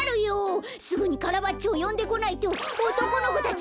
すぐにカラバッチョをよんでこないとおとこの子たち